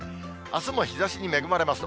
あすも日ざしに恵まれます。